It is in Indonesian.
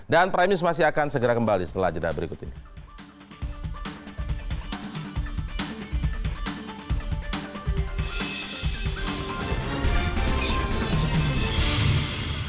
dan primus masih akan segera kembali setelah jeda berikut ini